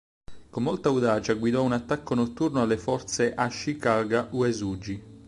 Con molta audacia guidò un attacco notturno alle forze Ashikaga-Uesugi.